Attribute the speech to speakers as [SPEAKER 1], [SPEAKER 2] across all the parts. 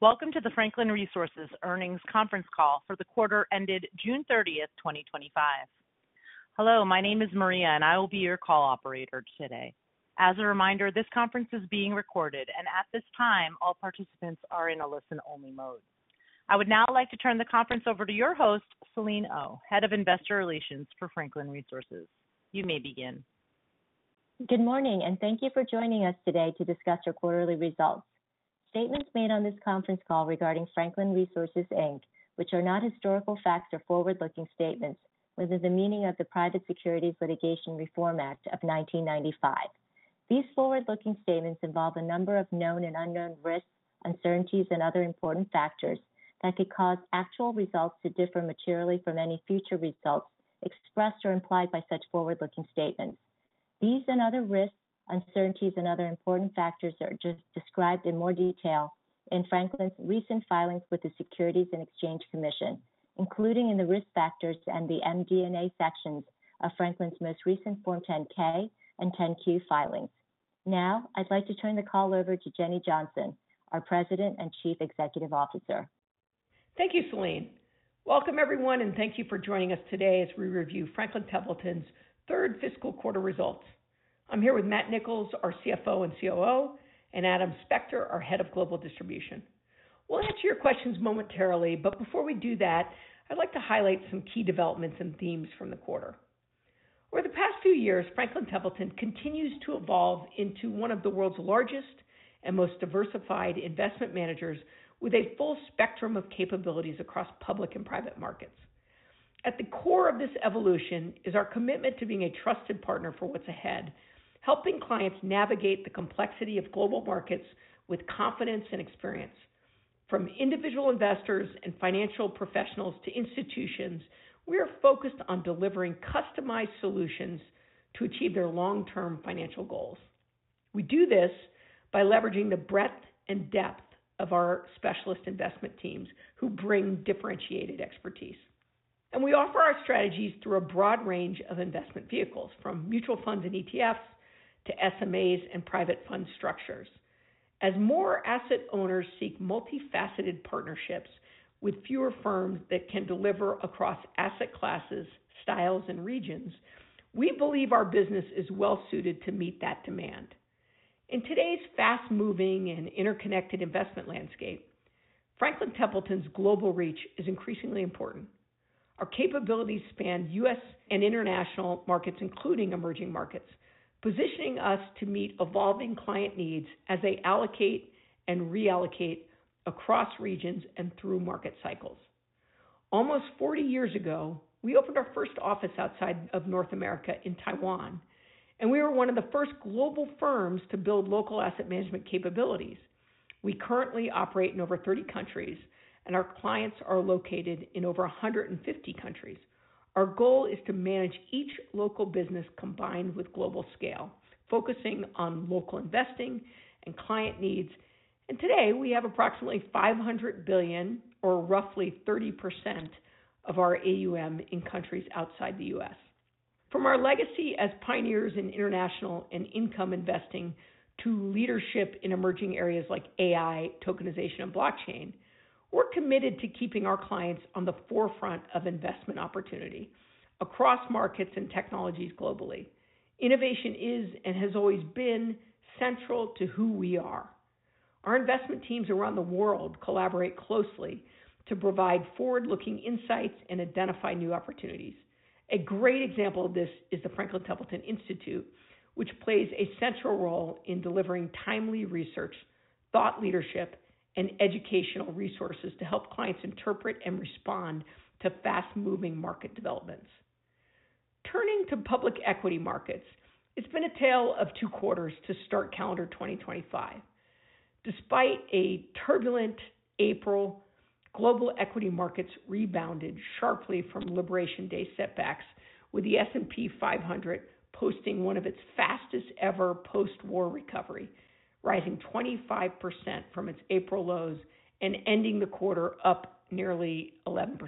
[SPEAKER 1] Welcome to the Franklin Resources Earnings Conference Call for the quarter ended June 30th, 2025. Hello, my name is Maria and I will be your call operator today. As a reminder, this conference is being recorded and at this time all participants are in a listen only mode. I would now like to turn the conference over to your host, Selene Oh, Head of Investor Relations for Franklin Resources. You may begin.
[SPEAKER 2] Good morning and thank you for joining us today to discuss your quarterly results. Statements made on this conference call regarding Franklin Resources, Inc. which are not historical facts are forward looking statements within the meaning of the Private Securities Litigation Reform Act of 1995. These forward looking statements involve a number of known and unknown risks, uncertainties and other important factors that could cause actual results to differ materially from any future results expressed or implied by such forward looking statements. These and other risks, uncertainties and other important factors are described in more detail in Franklin's recent filings with the Securities and Exchange Commission, including in the Risk Factors and the MDA sections of Franklin's most recent Form 10-K and 10-Q filings. Now I'd like to turn the call over to Jenny Johnson, our President and Chief Executive Officer.
[SPEAKER 3] Thank you, Selene. Welcome everyone, and thank you for joining us today as we review Franklin Templeton's. Third fiscal quarter results. I'm here with Matt Nicholls, our CFO and COO, and Adam Spector, our Head of Global Distribution. We'll answer your questions momentarily, but before. We do that, I'd like to highlight some key developments and themes from the quarter. Over the past few years, Franklin Templeton continues to evolve into one of. The world's largest and most diversified investment managers with a full spectrum of capabilities across public and private markets. At the core of this evolution is our commitment to being a trusted partner. For what's ahead, helping clients navigate the complexity of global markets with confidence and experience. From individual investors and financial professionals to institutions, we are focused on delivering customized solutions to achieve their long term financial goals. We do this by leveraging the breadth and depth of our specialist investment teams who bring differentiated expertise, and we offer our strategies through a broad range of investment vehicles from mutual funds and ETFs to SMAs and private fund structures. As more asset owners seek multifaceted partnerships with fewer firms that can deliver across asset classes, styles, and regions, we believe our business is well suited to meet that demand. In today's fast moving and interconnected investment landscape, Franklin Templeton's global reach is increasingly important. Our capabilities span U.S. and international markets, including emerging markets, positioning us to meet. Evolving client needs as they allocate. Reallocate across regions and through market cycles. Almost 40 years ago, we opened our. First office outside of North America in Taiwan, and we were one of the first global firms to build local asset management capabilities. We currently operate in over 30 countries, and our clients are located in over 150 countries. Our goal is to manage each local business combined with global scale, focusing on local investing and client needs, and today we have approximately $500 billion, or roughly 30% of our AUM, in countries outside the U.S. From our legacy as pioneers in international and income investing to leadership in emerging areas like AI, tokenization, and blockchain, we're committed to keeping our clients on the forefront of investment opportunity across markets and technologies globally. Innovation is and has always been central. To who we are. Our investment teams around the world collaborate closely to provide forward-looking insights and identify new opportunities. A great example of this is the Franklin Templeton Institute, which plays a central role in delivering timely research, thought leadership, and educational resources to help clients interpret and respond to fast-moving market developments. Turning to public equity markets, it's been a tale of two quarters to start calendar 2025. Despite a turbulent April, global equity markets rebounded sharply from Liberation Day setbacks, with the S&P 500 posting one of its fastest ever post-war recoveries, rising 25% from its April lows and ending the quarter up nearly 11%.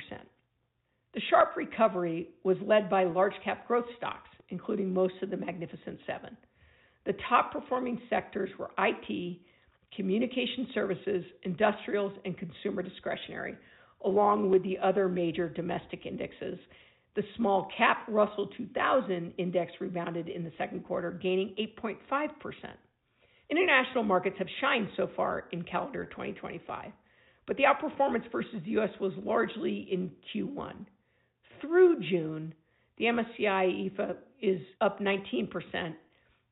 [SPEAKER 3] The sharp recovery was led by large-cap growth stocks, including most of the Magnificent Seven. The top-performing sectors were IT, communication services, industrials, and consumer discretionary. Along with the other major domestic indexes, the small-cap Russell 2000 Index rebounded in the second quarter, gaining 8.5%. International markets have shined so far in calendar 2025, but the outperformance versus the U.S. was largely in Q1 through June. The MSCI EAFE is up 19%,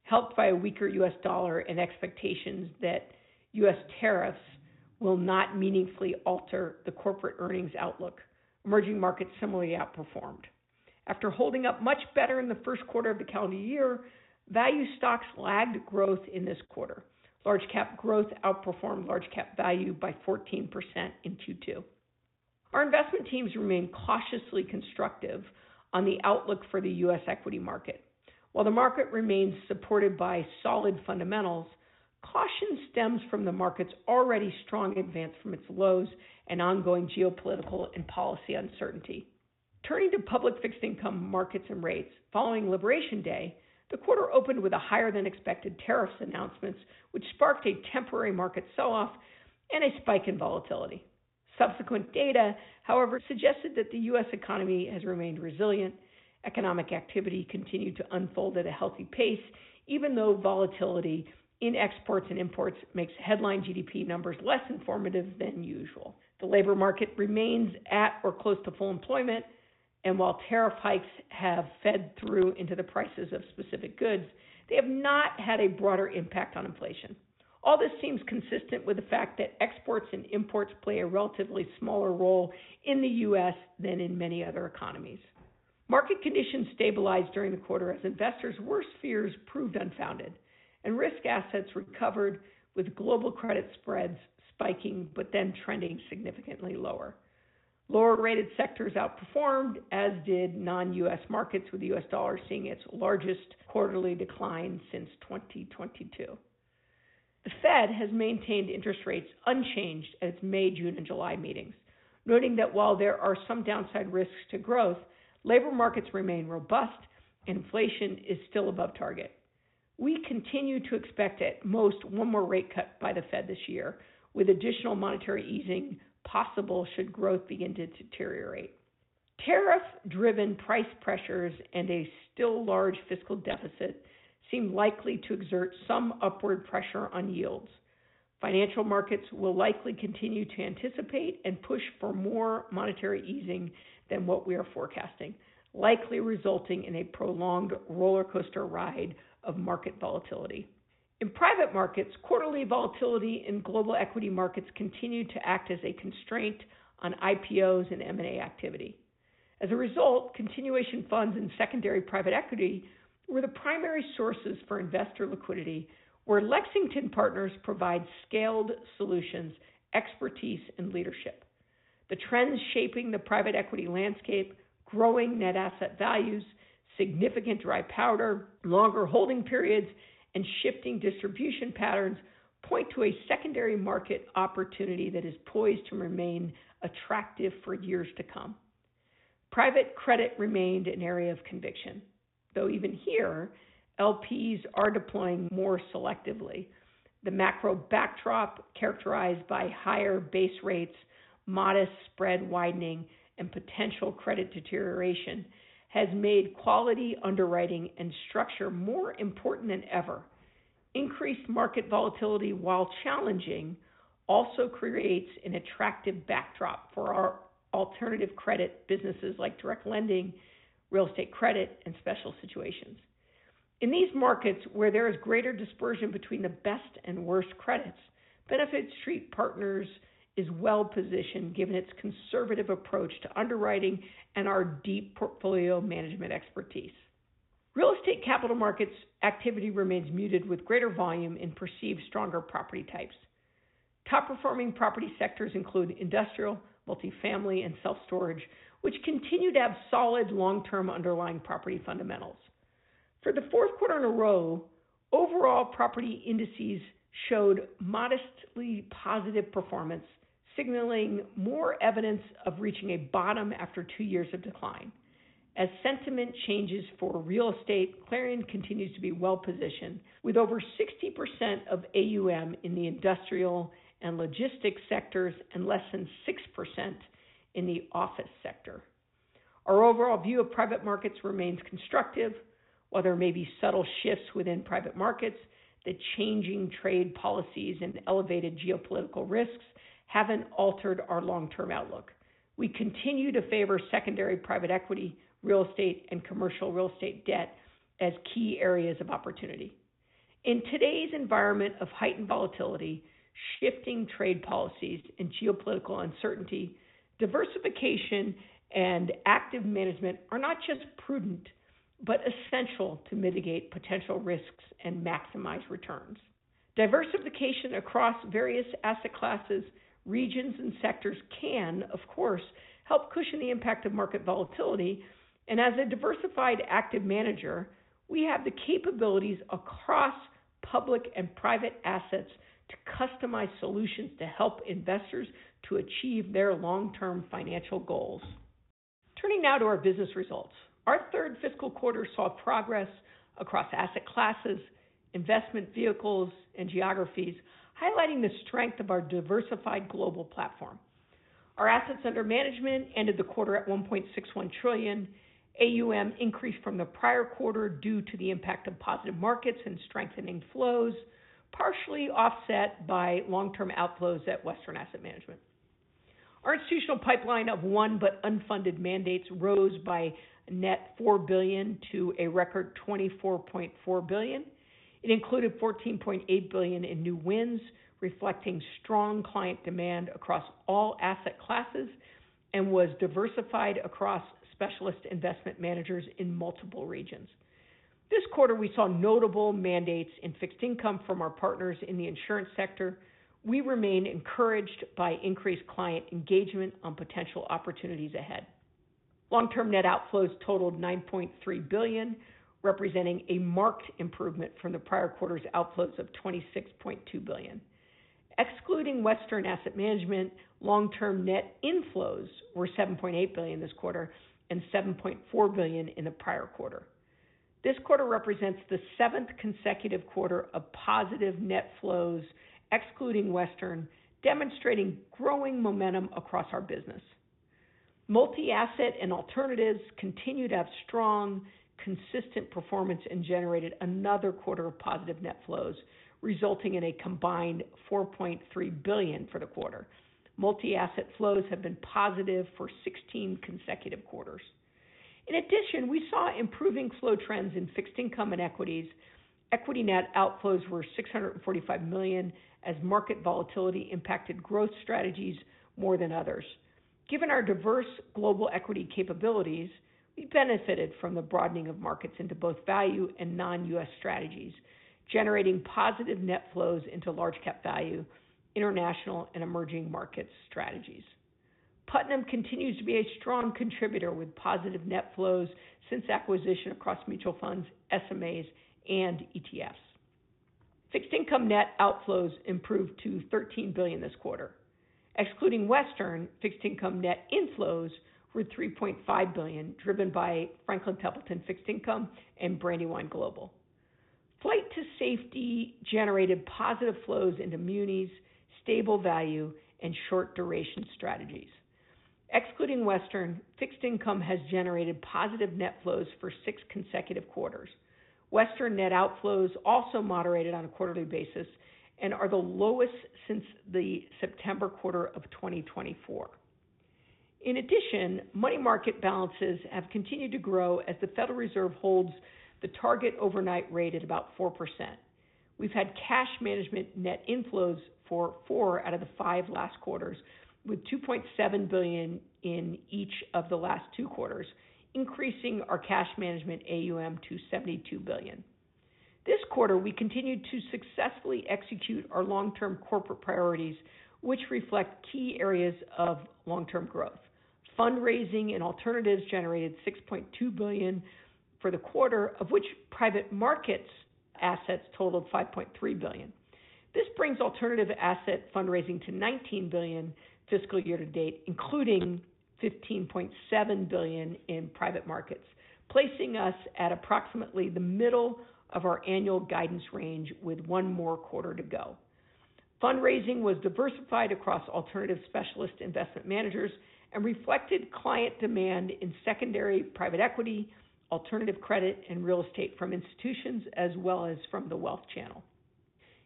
[SPEAKER 3] helped by a weaker U.S. dollar and expectations that U.S. tariffs will not meaningfully alter. The corporate earnings outlook. Emerging markets similarly outperformed after holding up much better in the first quarter of the calendar year. Value stocks lagged growth in this quarter. Large cap growth outperformed large cap value by 14% in Q2. Our investment teams remain cautiously constructive on the outlook for the U.S. equity market. While the market remains supported by solid fundamentals, caution stems from the market's already strong advance from its lows and ongoing geopolitical and policy uncertainty. Turning to public Fixed Income markets and rates following Liberation Day, the quarter opened with a higher than expected tariffs announcement, which sparked a temporary market sell-off and a spike in volatility. Subsequent data, however, suggested that the U.S. economy has remained resilient. Economic activity continued to unfold at a healthy pace, even though volatility in exports and imports makes headline GDP numbers less informative than usual. The labor market remains at or close to full employment, and while tariff hikes have fed through into the prices of. Specific goods, they have not had a. Broader impact on inflation. All this seems consistent with the fact that exports and imports play a relatively smaller role in the U.S. than in many other economies. Market conditions stabilized during the quarter as investors' worst fears proved unfounded and risk assets recovered, with global credit spreads spiking but then trending significantly lower. Lower rated sectors outperformed, as did non-U.S. markets, with the U.S. dollar seeing its largest quarterly decline since 2022. The Fed has maintained interest rates unchanged at its May, June, and July meetings, noting that while there are some downside risks to growth, labor markets remain robust and inflation is still above target. We continue to expect at most one. More rate cuts by the Fed this year with additional monetary easing possible should growth begin to deteriorate. Tariff-driven price pressures and a still large fiscal deficit seem likely to exert some upward pressure on yields. Financial markets will likely continue to anticipate. A push for more monetary easing than what we are forecasting would likely result in a prolonged rollercoaster ride of market volatility in private markets. Quarterly volatility in global equity markets continues. To act as a constraint on IPOs and M&A activity. As a result, continuation funds in secondary private equity were the primary sources for investor liquidity, where Lexington Partners provide scaled solutions, expertise, and leadership. The trends shaping the private equity landscape—growing net asset values, significant dry powder, longer holding periods, and shifting distribution patterns—point to a secondary market opportunity that is poised to remain attractive for years to come. Private credit remained an area of conviction, though even here LPs are deploying more selectively. The macro backdrop, characterized by higher base rates, modest spread widening, and potential credit deterioration, has made quality underwriting and structure more important than ever. Increased market volatility, while challenging, also creates an attractive backdrop for our alternative credit businesses like direct lending, real estate credit, and special situations. In these markets, where there is greater dispersion between the best and worst credits, Benefit Street Partners is well positioned given its conservative approach to underwriting and our deep portfolio management expertise. Real estate capital markets activity remains muted. With greater volume in perceived stronger property types, top performing property sectors include industrial, multifamily, and self storage, which continue to have solid long term underlying property fundamentals. The fourth quarter in a row overall. Property indices showed modestly positive performance, signaling. More evidence of reaching a bottom after. Two years of decline. As sentiment changes for real estate, Clarion continues to be well positioned with over 60% of AUM in the industrial and logistics sectors and less than 6% in the office sector. Our overall view of private markets remains constructive. While there may be subtle shifts within private markets, the changing trade policies and elevated geopolitical risks haven't altered our long term outlook. We continue to favor secondary private equity, real estate, and commercial real estate debt as key areas of opportunity. In today's environment of heightened volatility, shifting trade policies, and geopolitical uncertainty, diversification and. Active management are not just prudent, but. Essential to mitigate potential risks and maximize returns. Diversification across various asset classes, regions, and sectors can of course help cushion the impact of market volatility, and as a diversified active manager, we have the capabilities across public and private assets to customize solutions to help investors to achieve their long term financial goals. Turning now to our business results, our third fiscal quarter saw progress across asset classes, investment vehicles, and geographies, highlighting the strength of our diversified global platform. Our assets under management ended the quarter at $1.61 trillion. AUM increased from the prior quarter due to the impact of positive markets and strengthening flows, partially offset by long term outflows. At Western Asset Management, our institutional pipeline of won but unfunded mandates rose by net $4 billion to a record $24.4 billion. It included $14.8 billion in new wins, reflecting strong client demand across all asset classes, and was diversified across specialist investment managers in multiple regions. This quarter we saw notable mandates in Fixed Income from our partners in the insurance sector. We remain encouraged by increased client engagement on potential opportunities ahead. Long term net outflows totaled $9.3 billion, representing a marked improvement from the prior quarter's outflows of $26.2 billion. Excluding Western Asset Management, long term net inflows were $7.8 billion this quarter and $7.4 billion in the prior quarter. This quarter represents the seventh consecutive quarter of positive net flows excluding Western, demonstrating growing momentum across our business. Multi-asset and alternatives continue to have strong consistent performance and generated another quarter. Of positive net flows, resulting in a. Combined $4.3 billion for the quarter. Multi-asset flows have been positive for 16 consecutive quarters. In addition, we saw improving flow trends. In Fixed Income and equities. Equity net outflows were $645 million as market volatility impacted growth strategies more than others. Given our diverse global equity capabilities, we benefited from the broadening of markets into both value and non-U.S. strategies and generating positive net flows into large cap value, international, and emerging markets strategies. Putnam continues to be a strong contributor with positive net flows since acquisition. Across mutual funds, retail SMAs, and ETFs, Fixed Income net outflows improved to $13 billion this quarter. Excluding Western, Fixed Income net inflows were $3.5 billion, driven by Franklin Templeton Fixed Income and Brandywine Global. Flight to safety generated positive flows into Munis, stable value, and short duration strategies. Excluding Western, Fixed Income has generated positive net flows for six consecutive quarters. Western net outflows also moderated on a quarterly basis and are the lowest since the September quarter of 2024. In addition, money market balances have continued. To grow as the Federal Reserve holds. The target overnight rate at about 4%. We've had cash management net inflows for four out of the five last quarters, with $2.7 billion in each of the last two quarters, increasing our cash management AUM to $72 billion this quarter. We continued to successfully execute our long. Term corporate priorities to which reflect key. Areas of long-term growth. Fundraising and alternatives generated $6.2 billion for the quarter, of which private markets assets totaled $5.3 billion. This brings alternative asset fundraising to $19 billion fiscal year to date, including $15.7 billion. Billion in private markets placing us at approximately the middle of our annual guidance range with one more quarter to go. Fundraising was diversified across alternative specialist investment managers and reflected client demand in secondary private equity, alternative credit, and real estate from institutions as well as from the wealth channel.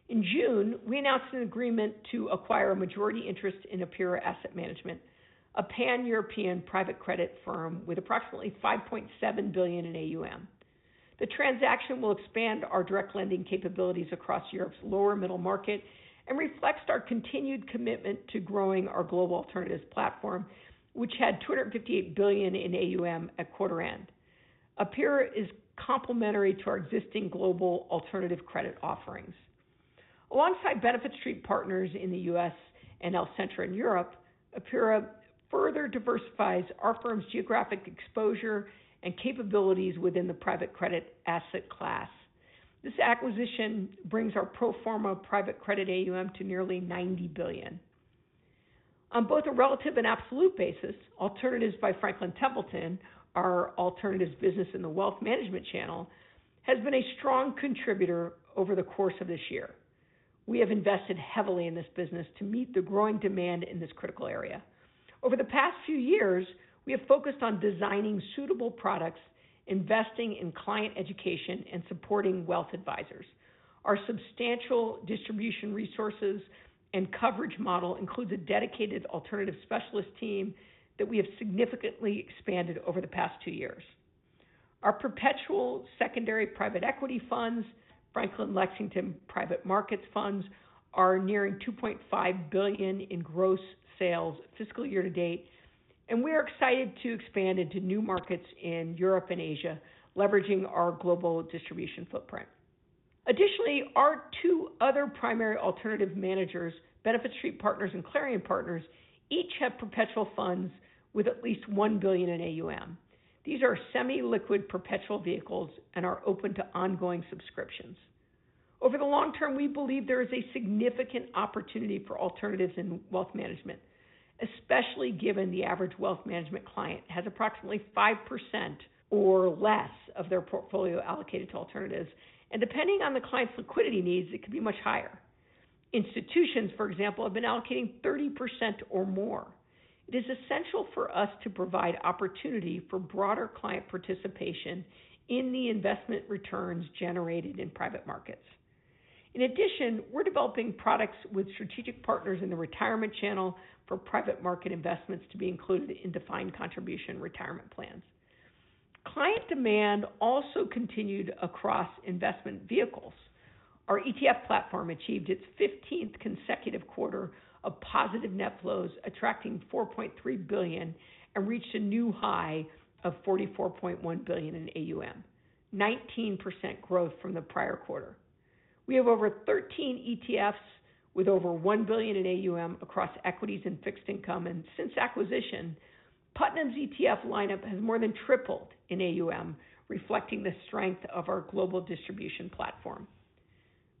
[SPEAKER 3] In June, we announced an agreement to acquire a majority interest in Apera Asset Management, a pan-European private credit firm with approximately $5.7 billion in AUM. The transaction will expand our direct lending capabilities across Europe's lower middle market and reflects our continued commitment to growing our global alternatives platform, which had $258 billion in AUM at quarter end. Apera is complementary to our existing global alternative credit offerings alongside Benefit Street Partners in the U.S. and Alcentra in Europe. Apera further diversifies our firm's geographic exposure and capabilities within the private credit asset class. This acquisition brings our pro forma private credit AUM to nearly $90 billion on both a relative and absolute basis. Alternatives by Franklin Templeton our alternatives business. The wealth management channel has been a strong contributor over the course of this year. We have invested heavily in this business to meet the growing demand in this critical area. Over the past few years, we have focused on designing suitable products and investing in client education and supporting wealth advisors. Our substantial distribution resources and coverage model includes a dedicated alternative specialist team that we have significantly expanded over the past two years. Our perpetual secondary private equity funds, Franklin Lexington Private Market funds, are nearing $2.5 billion in gross sales fiscal year to. Date, and we are excited to expand. Into new markets in Europe and Asia leveraging our global distribution footprint. Additionally, our two other primary alternative managers, Benefit Street Partners and Clarion Partners, each have perpetual funds with at least $1 billion in AUM. These are semi-liquid perpetual vehicles and are open to ongoing subscriptions. Over the long term, we believe there. Is a significant opportunity for alternatives in wealth management, especially given the average wealth management client has approximately 5% or less of their portfolio allocated to alternatives. Depending on the client's liquidity needs, it could be much higher. Institutions, for example, have been allocating 30% or more. It is essential for us to provide opportunity for broader client participation in the investment returns generated in private markets. In addition, we're developing products with strategic partners in the retirement channel for private market investments to be included in defined contribution retirement plans. Client demand also continued across investment vehicles. Our ETF platform achieved its 15th consecutive quarter of positive net flows, attracting $4.3 billion and reached a new high of $44.1 billion in AUM, 19% growth from the prior quarter. We have over 13 ETFs with over $1 billion in AUM across equities and Fixed Income, and since acquisition, Putnam's ETF lineup has more than tripled in AUM, reflecting the strength of our global distribution platform.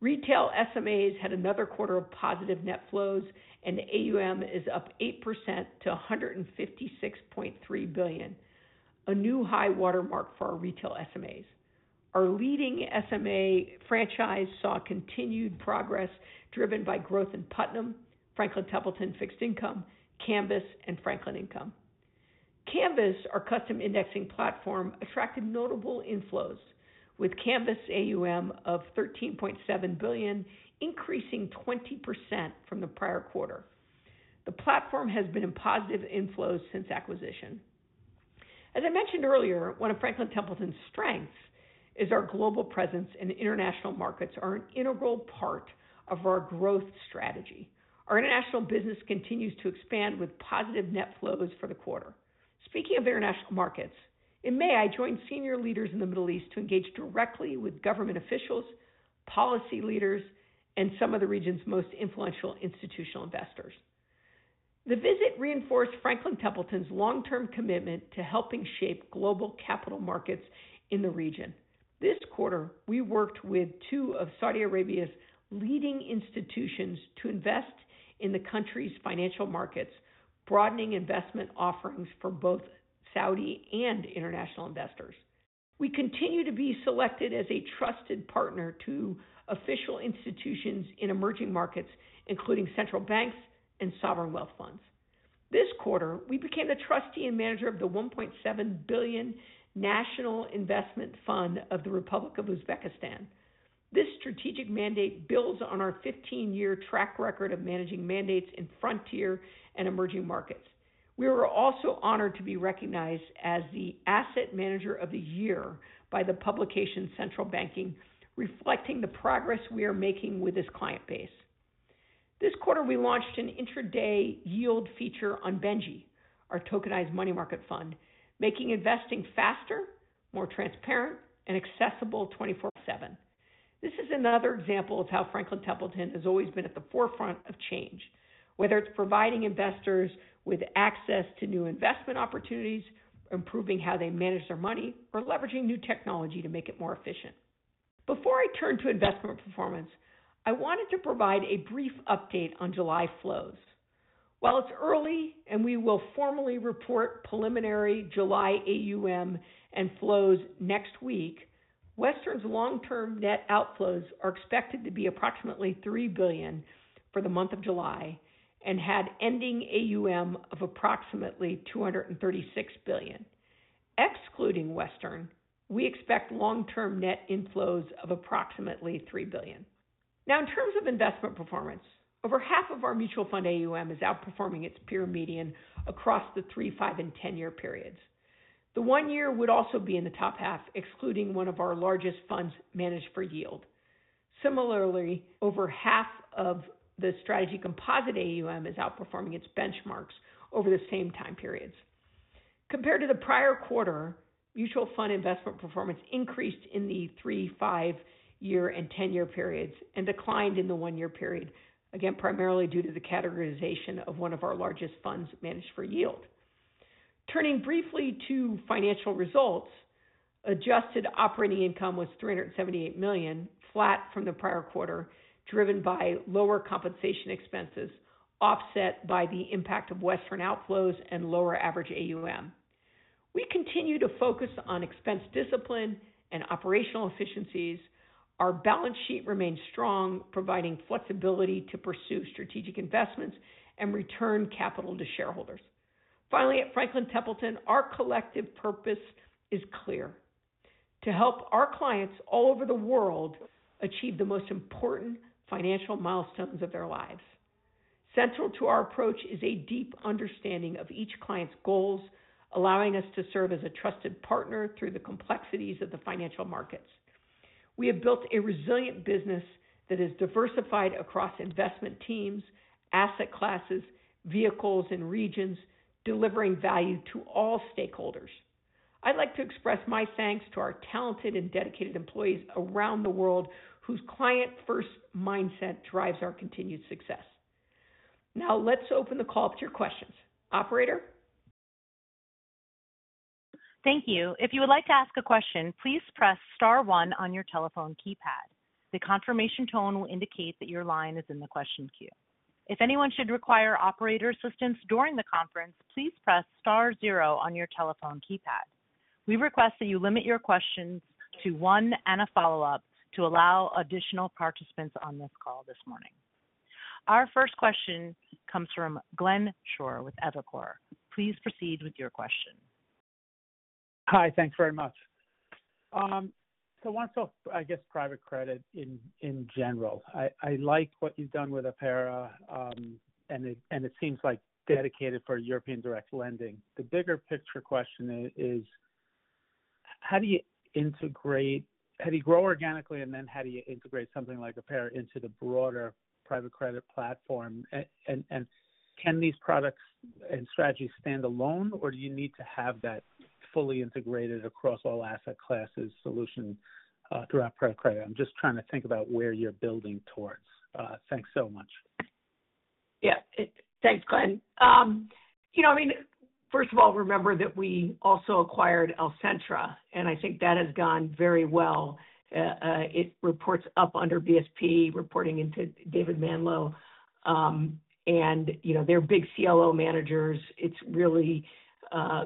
[SPEAKER 3] Retail SMAs had another quarter of positive. Net flows and AUM is up 8%. To $156.3 billion, a new high watermark for our retail SMAs. Our leading SMA franchise saw continued progress driven by growth in Putnam, Franklin Templeton Fixed Income Canvas, and Franklin Income Canvas. Our custom indexing platform attracted notable inflows, with Canvas AUM of $13.7 billion increasing 20% from the prior quarter. The platform has been in positive inflows since acquisition. As I mentioned earlier, one of Franklin Templeton's strengths is our global presence. International markets are an integral part of. Of our growth strategy. Our international business continues to expand with positive net flows for the quarter. Speaking of international markets, in May I joined senior leaders in the Middle East to engage directly with government officials, policy leaders, and some of the region's most influential institutional investors. The visit reinforced Franklin Templeton's long-term commitment to helping shape global capital markets in the region. This quarter we worked with two of. Saudi Arabia's leading institutions to invest in the country's financial markets, broadening investment offerings for both Saudi and international investors. We continue to be selected as a trusted partner to official institutions in emerging. Markets, including central banks and sovereign wealth funds. This quarter we became the trustee and manager of the $1.7 billion National Investment Fund of the Republic of Uzbekistan. This strategic mandate builds on our 15-year track record of managing mandates in frontier and emerging markets. We were also honored to be recognized as the Asset Manager of the Year by the publication Central Banking. Reflecting the progress we are making with this client base this quarter, we launched an intraday yield feature on Benji, our tokenized money market fund, making investing faster, more transparent, and accessible 24/7. This is another example of how Franklin Templeton has always been at the forefront of change, whether it's providing investors with access to new investment opportunities, improving how they manage their money, or leveraging new technology to make it more efficient. Before I turn to investment performance, I wanted to provide a brief update on. July flows, while it's early, and we. Will formally report preliminary July AUM and flows next week. Western's long term net outflows are expected to be approximately $3 billion for the month of July and had ending AUM of approximately $236 billion. Excluding Western, we expect long term net inflows of approximately $3 billion. Now, in terms of investment performance, over half of our mutual fund AUM is. Outperforming its peer median across the 3, 5, and 10 year periods. The 1 year would also be in the top half excluding one of our largest funds managed for yield. Similarly, over half of the strategy composite AUM is outperforming its benchmarks over the same time periods compared to the prior quarter. Mutual fund investment performance increased in the 3 year, 5 year, and 10 year periods and declined in the 1 year period, again primarily due to the categorization of one of our largest funds managed for yield. Turning briefly to financial results, adjusted operating income was $378 million, flat from the prior quarter, driven by lower compensation expenses offset by the impact of Western outflows and lower average AUM. We continue to focus on expense discipline. Operational efficiencies. Our balance sheet remains strong, providing flexibility to pursue strategic investments and return capital to shareholders. Finally, at Franklin Templeton, our collective purpose is clear: to help our clients all. Over the world achieve the most important. Financial milestones of their lives. Central to our approach is a deep understanding of each client's goals, allowing us to serve as a trusted partner through the complexities of the financial markets. We have built a resilient business that is diversified across investment teams, asset classes, vehicles, and regions, delivering value to all stakeholders. I'd like to express my thanks to our talented and dedicated employees around the world whose client-first mindset drives our continued success. Now let's open the call up to your questions. Operator.
[SPEAKER 1] Thank you. If you would like to ask a question, please press star one on your telephone keypad. The confirmation tone will indicate that your line is in the question queue. If anyone should require operator assistance during the conference, please press star zero on your telephone keypad. We request that you limit your questions to one and a follow-up to allow additional participants on this call this morning. Our first question comes from Glenn Schorr with Evercore. Please proceed with your question.
[SPEAKER 4] Hi, thanks very much. Once, I guess, private credit in general, I like what you've done with Apera and it seems like dedicated for European direct lending. The bigger picture question is how do you integrate, how do you grow organically, and then how do you integrate something like Apera into the broader private credit platform, and can these products and strategies stand alone or do you need to have that fully integrated across all asset classes solution throughout private credit? I'm just trying to think about where you're building towards. Thanks so much.
[SPEAKER 3] Yeah, thanks Glenn. You know, I mean, first of all, remember that we also acquired Alcentra. I think that has gone very well. It reports up under BSP reporting into David Manlow, and they're big CLO managers. It's really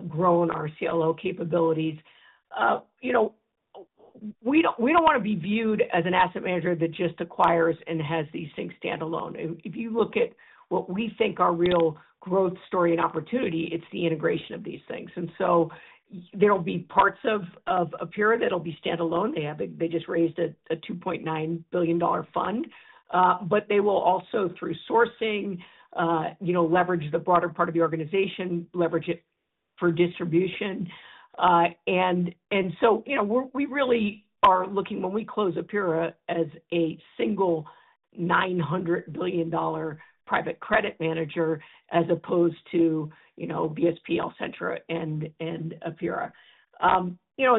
[SPEAKER 3] grown our CLO capabilities. We don't want to be viewed as an asset manager that just acquires and has these things standalone. If you look at what we think our real growth story and opportunity is, it's the integration of these things. There will be parts of Apera that'll be standalone. They just raised a $2.9 billion fund, but they will also, through sourcing, leverage the broader part of the organization, leverage it for distribution. We really are looking, when we close Apera, at a single $900 billion private credit manager as opposed to, you know, BSP, Alcentra, and Apera.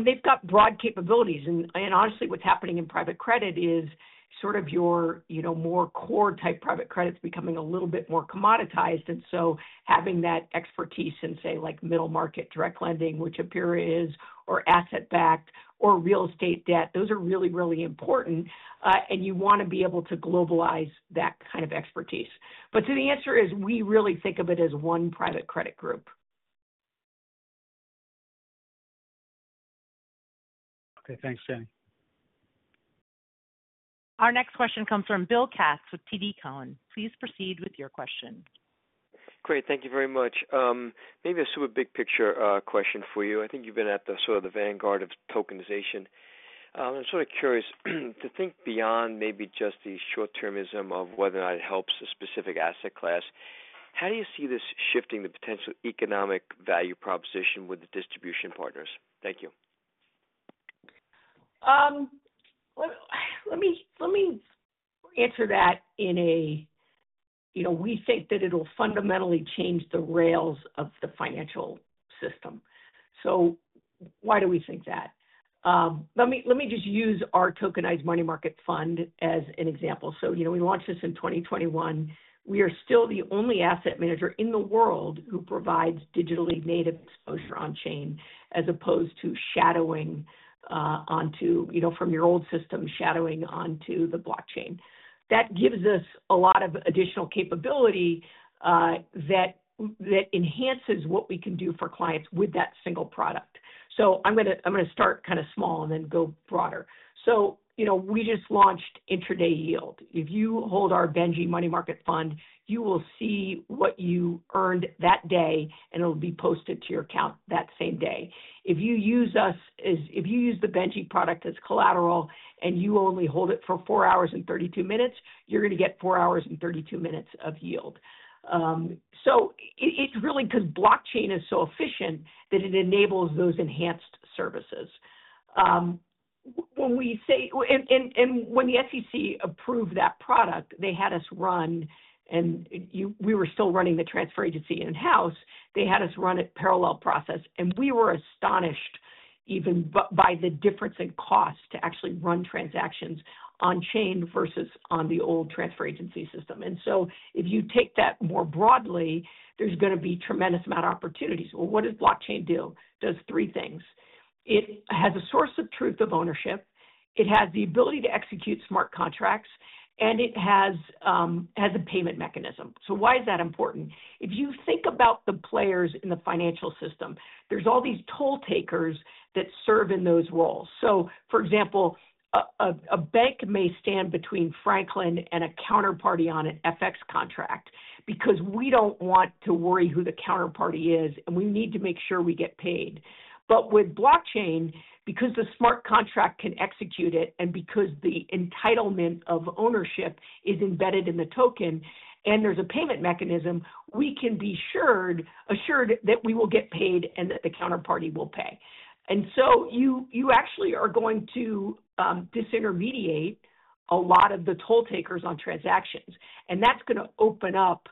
[SPEAKER 3] They've got broad capabilities, and honestly, what's happening in private credit is sort of your more type. Private credit is becoming a little bit more commoditized, and having that expertise in, say, middle market direct lending, which Apera is, or asset-backed or real estate debt, those are really, really important, and you want to be able to globalize that kind of expertise. The answer is we really think of it as one private credit group.
[SPEAKER 4] Okay, thanks Jenny.
[SPEAKER 1] Our next question comes from Bill Katz with TD Cowen. Please proceed with your question.
[SPEAKER 5] Great, thank you very much. Maybe a super big picture question for you. I think you've been at the sort of the vanguard of tokenization. I'm curious to think beyond maybe just the short termism of whether or not it helps a specific asset class. How do you see this shifting the potential economic value proposition with the distribution partners? Thank you.
[SPEAKER 3] Let me answer that. We think that it'll fundamentally change the rails of the financial system. Why do we think that? Let me just use our Benji tokenized money market fund as an example. We launched this in 2021. We are still the only asset manager in the world who provides digitally native exposure on chain as opposed to shadowing onto, you know, from your old system shadowing onto the blockchain. That gives us a lot of additional capability that enhances what we can do for clients with that single product. I'm going to start kind of. Small and then go broader. We just launched Intraday Yield. If you hold our Benji money market. Fund, you will see what you earned. That day, it will be posted to your account that same day. If you use us, if you use the Benji tokenized money market fund as collateral and you only hold it for 4 hours and 32 minutes, you're going to get 4. Hours and 32 minutes of yield. It's really because blockchain is so efficient that it enables those enhanced services. When the SEC approved that product, they had us run and we were still. Running the transfer agency in-house. They had us run it parallel process, and we were astonished at even by the difference in cost to actually run. Transactions on chain versus on the old transfer agency system. If you take that more broadly, there's going to be tremendous amount of opportunities. What does blockchain do? Does three things. It has a source of truth of ownership, it has the ability to execute smart contracts, and it has a payment mechanism. Why is that important? If you think about the players in the financial system, there's all these tolls. Takers that serve in those roles. For example, a bank may stand between Franklin and a counterparty on an FX contract because we don't want to worry who the counterparty is, and we need to make sure we get paid. With blockchain, because the smart contract can execute it and because the entitlement of ownership is embedded in the token and there's a payment mechanism, we can be assured that we will get paid and that the counterparty will pay. You actually are going to disintermediate a lot of the toll takers on transactions, and that's going to open up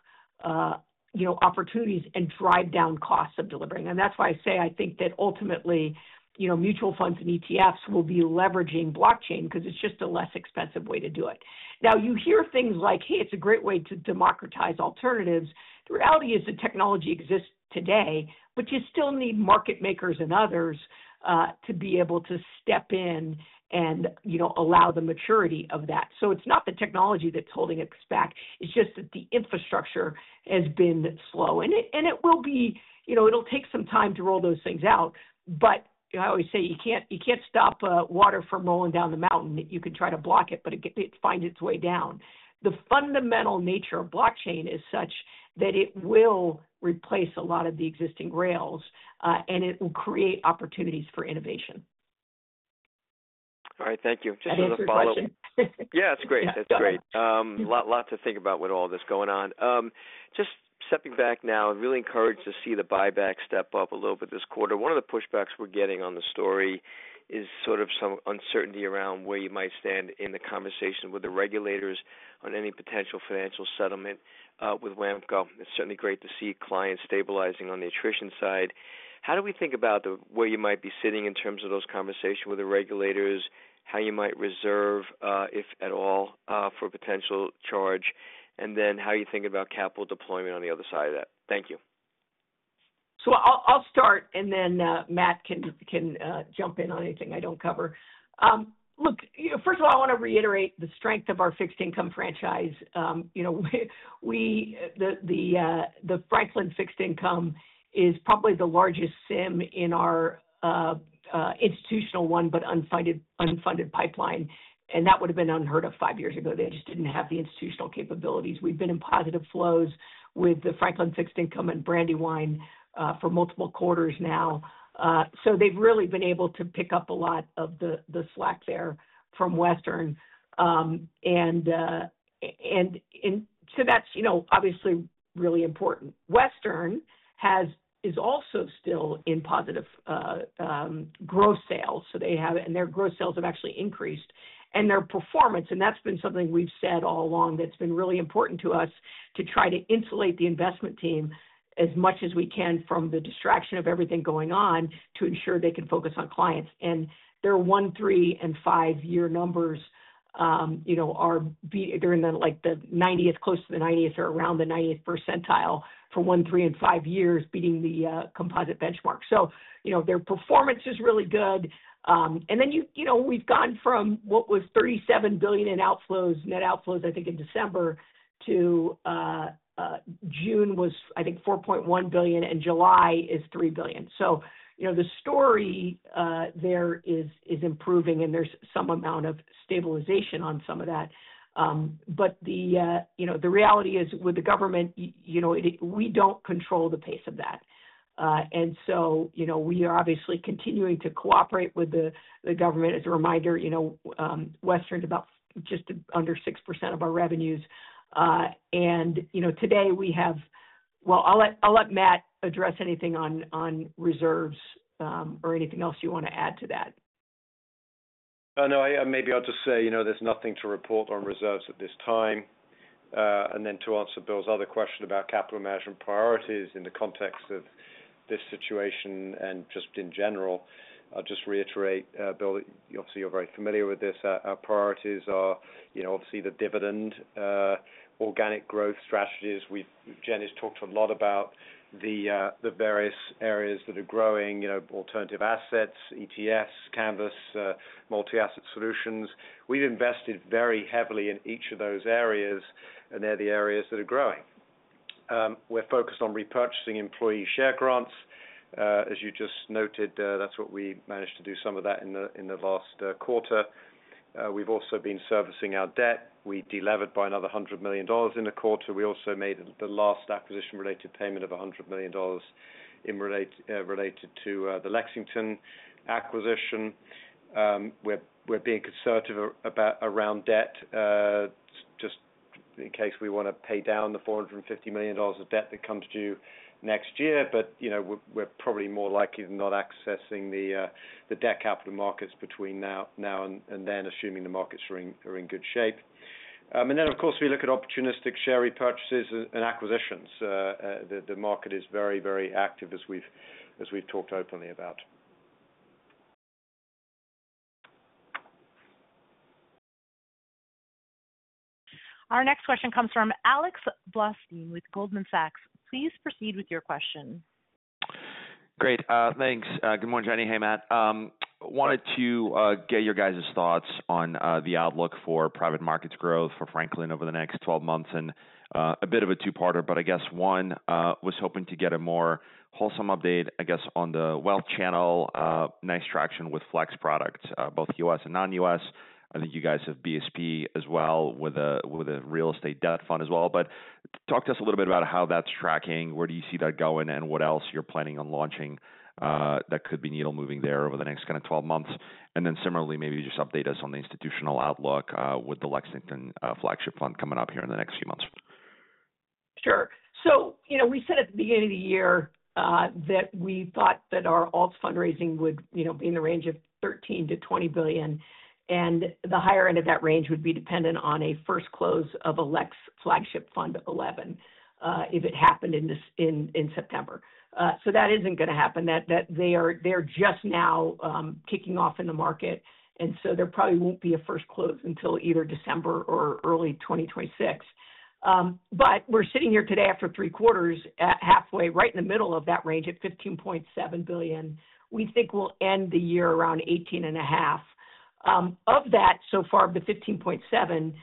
[SPEAKER 3] opportunities and drive down costs of delivering. That's why I say, I think that ultimately mutual funds and ETFs will be leveraging blockchain because it's just a less expensive way to do it. Now you hear things like, hey, it's a great way to democratize alternatives. The reality is that technology exists today, but you still need market makers and others to be able to step in and allow the maturity of that. It's not the technology that's holding us back. It's just that the infrastructure has been slow and it will take some time to roll those things out. I always say you can't stop water from rolling down the mountain. You can try to block it, but it finds its way down. The fundamental nature of blockchain is such. That it will replace a lot of the existing rails, and it will create opportunities for innovation.
[SPEAKER 5] All right, thank you. Just another follow-up. Yeah, that's great. That's great. Lot to think about with all this going on. Just stepping back now, really encouraged to see the buyback step up a little bit this quarter. One of the pushbacks we're getting on the story is sort of some uncertainty around where you might stand in the conversation with the regulators on any potential financial settlement with Western Asset. It's certainly great to see clients stabilizing. On the attrition side, how do we think about where you might be sitting in terms of those conversations with the regulators, how you might reserve, if at all, for a potential charge, and then how you think about capital deployment on the other side of that. Thank you.
[SPEAKER 3] I'll start and then Matt can jump in on anything I don't cover. First of all, I want to reiterate the strength of our Fixed Income franchise. The Franklin Fixed Income is probably the largest in our institutional one, but unfunded pipeline. That would have been unheard of five years ago. They just didn't have the institutional capabilities. We've been in positive flows with the Franklin Fixed Income and Brandywine for multiple quarters now. They've really been able to pick up a lot of the slack there from Western. That's obviously really important. Western is also still in positive gross sales. They have. Their gross sales have actually increased, and their performance, and that's been something we've said all along that's been really important to us to try to insulate the investment team as much as we can from the distraction of everything going. To ensure they can focus on clients and their one, three and five year. Numbers are during the 90th, close to the 90th, or around the 90th percentile for one, three and five years, beating the composite benchmark. Their performance is really good. We've gone from what was $37 billion in net outflows, I think in December, to June was, I think, $4.1 billion, and July is $3 billion. The story there is improving and there's some amount of stabilization on some of that. The reality is with the government, you know, we don't control the pace of that. We are obviously continuing to cooperate with the government. As a reminder, Western is about just under 6% of our revenues. Today we have. I'll let Matt address anything on. Reserves or anything else you want to add to that?
[SPEAKER 6] No, maybe I'll just say, you know, there's nothing to report on reserves at this time. To answer Bill's other question about capital management priorities in the context of this situation and just in general, I'll just reiterate, Bill, obviously you're very familiar with this. Our priorities are obviously the dividend, organic growth strategies. Jenny's talked a lot about the various areas that are growing alternative assets, ETFs, canvas, multi-asset solutions. We've invested very heavily in each of those areas and they're the areas that are growing. We're focused on repurchasing in-place employee share grants, as you just noted. That's what we managed to do some of that in the last quarter. We've also been servicing our debt. We delevered by another $100 million in the quarter. We also made the last acquisition-related payment of $100 million related to the Lexington acquisition. We're being conservative around debt just in case we want to pay down the $450 million of debt that comes due next year. We're probably more likely than not accessing the debt capital markets between now and then, assuming the markets are in good shape. Of course, we look at opportunistic share repurchases and acquisitions. The market is very, very active as we've talked openly about.
[SPEAKER 1] Our next question comes from Alex Blostein with Goldman Sachs. Please proceed with your question.
[SPEAKER 7] Great, thanks. Good morning, Jenny. Hey Matt, wanted to get your guys' thoughts on the outlook for private markets growth for Franklin over the next 12 months. It's a bit of a two-parter, but I guess one was hoping to get a more wholesome update, I guess, on the wealth channel. Nice traction with FLEX products, both U.S. and non-U.S. I think you guys have BSP as well with a real estate debt fund as well. Talk to us a little bit about how that's tracking. Where do you see that going, and what else you're planning on launching that could be needle moving there over the next 12 months? Similarly, maybe just update us on the institutional outlook with the Lexington flagship fund coming up here in the next few months.
[SPEAKER 3] Sure. At the beginning of the year, we said that we thought that our alts fundraising would be in the range of $13 billion-$20 billion, and the higher end of that range would be dependent on a first close of a Lexington flagship fund 11 if it happened in September. That isn't going to happen. They are just now kicking off in the market, and there probably won't be a first close until either December or early 2026. We're sitting here today after three quarters, halfway right in the middle of that range at $15.7 billion. We think we'll end the year around $18.5 billion of that. Of the $15.7 billion,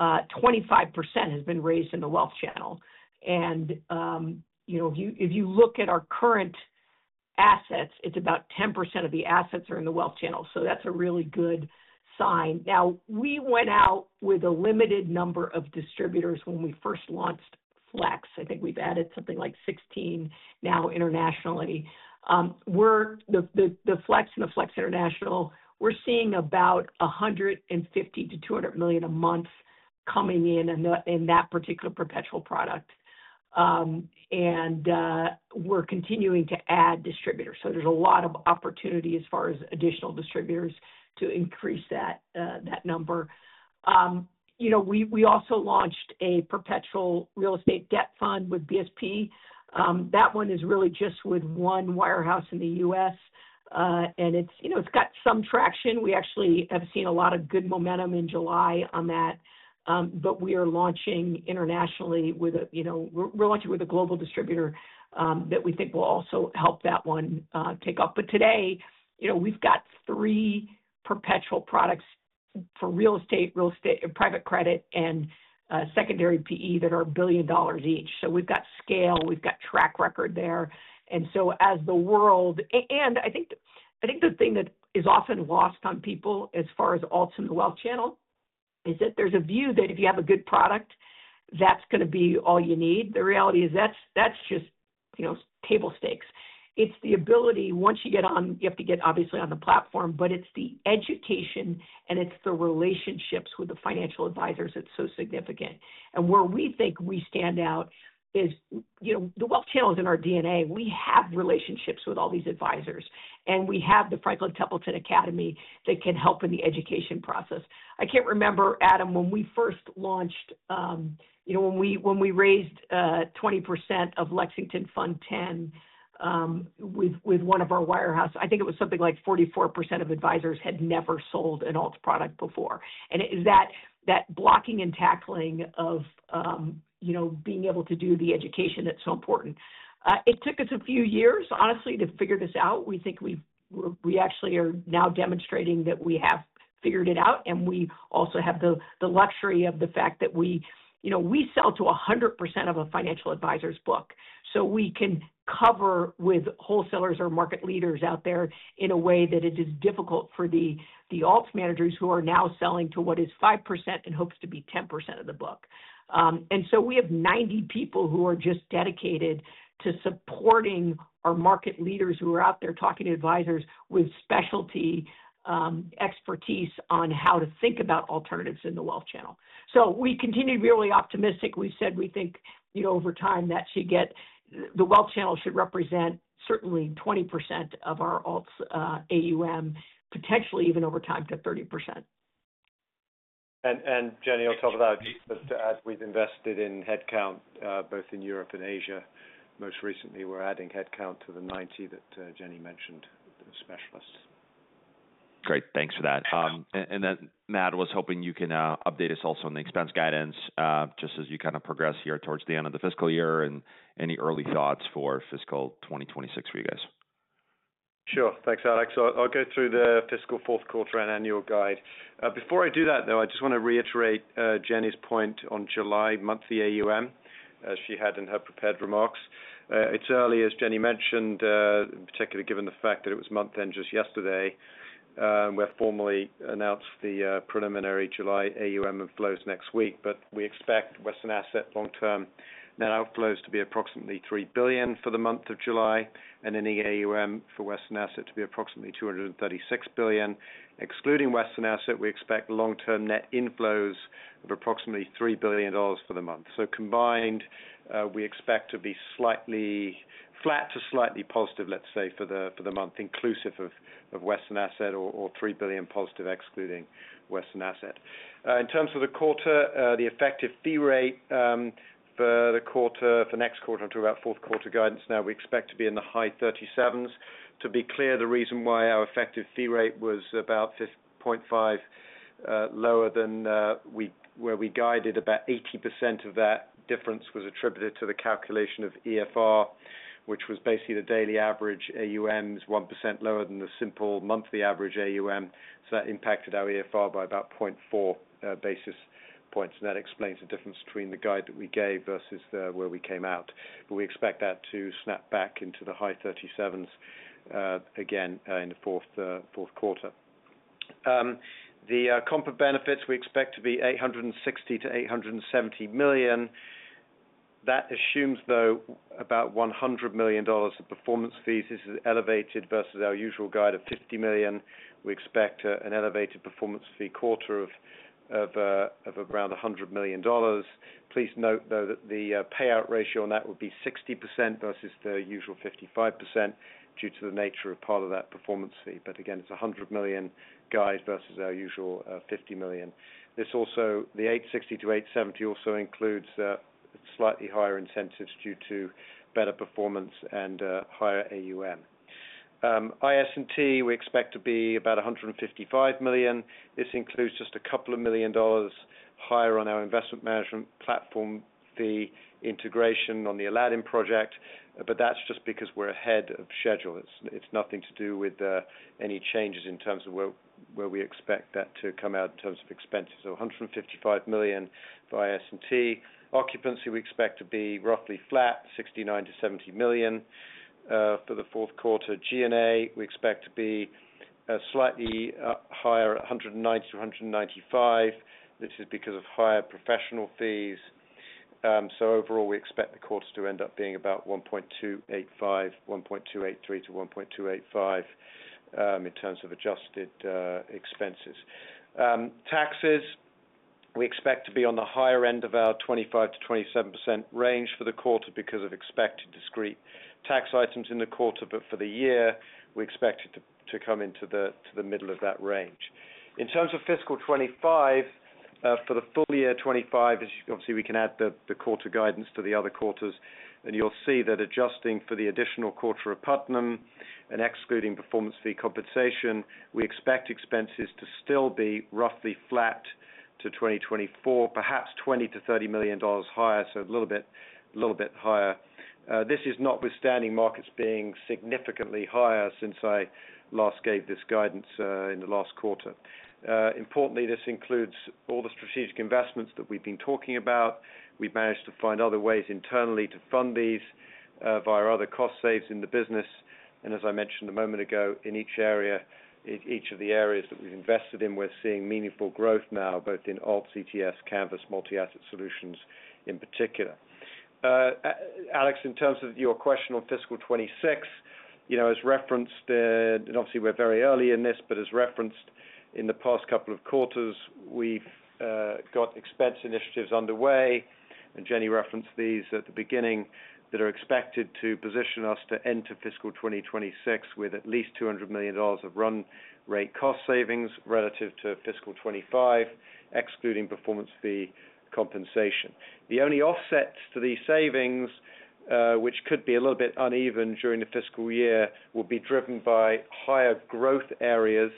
[SPEAKER 3] 25% has been. Raised in the wealth channel and if you look at our current assets, it's about 10% of the assets are in the wealth channel. That's a really good sign. We went out with a limited number of distributors when we first launched FLEX. I think we've added something like 16 now internationally, the FLEX and the FLEX International seeing about $150 million-$200 million a month coming in in that particular perpetual product. We're continuing to add distributors. There's a lot of opportunity as far as additional distributors to increase that number. We also launched a perpetual real estate debt fund with BSP. That one is really just with one wirehouse in the U.S. and it's got some traction. We actually have seen a lot of good momentum in July on that. We are launching internationally with you. We're launching with a global distributor that we think will also help that one take off. Today, we've got three perpetual products for real estate, real estate, private credit, and secondary PE that are $1 billion each. We've got scale, we've got track record, and as the world—and I think the thing that is often lost on people as far as alts in the wealth channel—is that there's a view that if you have a good product, that's going to be all you need. The reality is that's just table stakes. It's the ability once you get on, you have to get obviously on the platform. It's the education and it's the. Relationships with the financial advisors, that's so significant. Where we think we stand out is, you know, the wealth channel is in our DNA. We have relationships with all these advisors, and we have the Franklin Templeton Academy that can help in the education process. I can't remember, Adam, when we first launched, you know, when we raised 20% of Lexington Fund 10 with one of our wirehouse, I think it was something like 44% of advisors had never sold an alt product before. Is that that blocking and tackling of, you know, being able to do the education that's so important? It took us a few years, honestly, to figure this out. We think we actually are now demonstrating that we have figured it out. We also have the luxury of the fact that we, you know, we sell to 100% of a financial advisor's book, so we can cover with wholesalers or market leaders out there in a way that it is difficult for the. The alternatives managers who are now selling. To what is 5% and hopes to be 10% of the book. We have 90 people who are just dedicated to supporting our market leaders who are out there talking to advisors with specialty expertise on how to think about alternatives in the wealth channel. We continue to be really optimistic. We said we think over time the wealth channel should represent certainly 20% of our alts AUM, potentially even over time to 30%.
[SPEAKER 6] Jenny, on top of that, we've invested in headcount both in Europe and Asia. Most recently, we're adding headcount to the 90 that Jenny mentioned. Specialists.
[SPEAKER 7] Great, thanks for that. Matt, was hoping you can update us also on the expense guidance just as you kind of progress here towards the end of the fiscal year. Any early thoughts for fiscal 2026 for you guys?
[SPEAKER 6] Sure. Thanks, Alex. I'll go through the fiscal fourth quarter and annual guide. Before I do that, though, I just want to reiterate Jenny's point on July monthly AUM as she had in her prepared remarks. It's early, as Jenny mentioned, particularly given the fact that it was month end just yesterday. We formally announce the preliminary July AUM inflows next week. We expect Western Asset long-term net outflows to be approximately $3 billion for the month of July and ending AUM for Western Asset to be approximately $236 billion. Excluding Western Asset, we expect long-term net inflows of approximately $3 billion for the month. Combined, we expect to be slightly flat to slightly positive, let's say, for the month inclusive of Western Asset, or $3 billion positive excluding Western Asset. In terms of the quarter, the effective fee rate for the quarter, for next quarter to about fourth quarter guidance now, we expect to be in the high 37s. To be clear, the reason why our effective fee rate was about 0.5 lower than where we guided, about 80% of that difference was attributed to the calculation of EFR, which was basically the daily average AUM is 1% lower than the simple monthly average AUM. That impacted our EFR by about 0.4 basis points, and that explains the difference between the guide that we gave versus where we came out. We expect that to snap back into the high 37s. Again, in the fourth quarter, the comp and benefits we expect to be $860 million-$870 million. That assumes, though, about $100 million of performance fees. This is elevated versus our usual guide of $50 million. We expect an elevated performance fee quarter of around $100 million. Please note, though, that the payout ratio on that would be 60% versus the usual 55% due to the nature of part of that performance fee. Again, it's $100 million guide versus our usual $50 million. The $860 million to $870 million also includes slightly higher incentives due to better performance and higher AUM. IS and T, we expect to be about $155 million. This includes just a couple of million dollars higher on our investment management platform fee integration on the Aladdin project, but that's just because we're ahead of schedule. It's nothing to do with any changes in terms of where we expect that to come out. In terms of expenses, $155 million by IS and T. Occupancy, we expect to be roughly flat, $69 million- $70 million for the fourth quarter. G&A, we expect to be slightly higher, $190 million-$195 million. This is because of higher professional fees. Overall, we expect the quarter to end up being about $1.283 billion-$1.285 billion. In terms of adjusted expenses, taxes, we expect to be on the higher end of our 25% to 27% range for the quarter because of expected discrete tax items in the quarter. For the year, we expect it to come into the middle of that range. In terms of fiscal 2025, for the full year 2025, obviously, we can add the quarterly guidance to the other quarters and you'll see that, adjusting for the additional quarter of Putnam and excluding performance fee compensation, we expect expenses to still be roughly flat to 2024, perhaps $20 million to $30 million higher, so a little bit higher. This is notwithstanding markets being significantly higher since I last gave this guidance in the last quarter. Importantly, this includes all the strategic investments that we've been talking about. We've managed to find other ways internally to fund these via other cost saves in the business. As I mentioned a moment ago, in each of the areas that we've invested in, we're seeing meaningful growth now both in alternatives, Canvas, Multi-Asset Solutions in particular. Alex, in terms of your question on fiscal 2026, as referenced, and obviously we're very early in this, but as referenced in the past couple of quarters, we've got expense initiatives underway and Jenny referenced these at the beginning that are expected to position us to enter fiscal 2026 with at least $200 million of run-rate cost savings relative to fiscal 2025, excluding performance fee compensation. The only offsets to these savings, which could be a little bit uneven during the fiscal year, will be driven by higher growth areas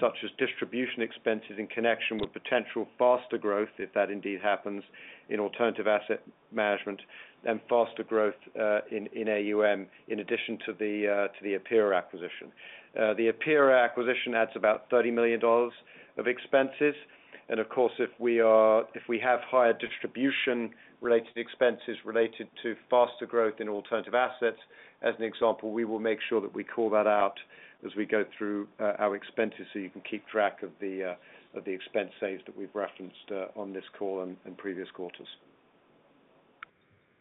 [SPEAKER 6] such as distribution expenses in connection with potential faster growth, if that indeed happens, in alternative asset management and faster growth in assets under management. In addition to the Apera acquisition, the Apera acquisition adds about $30 million of expenses. If we have higher distribution-related expenses related to faster growth in alternative assets, as an example, we will make sure that we call that out as we go through our expenses so you can keep track of the expense saves that we've referenced on this call and previous quarters.